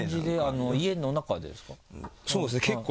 家の中でですか？